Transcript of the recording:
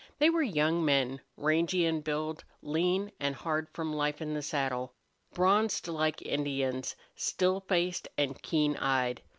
They were young men, rangy in build, lean and hard from life in the saddle, bronzed like Indians, still faced, and keen eyed.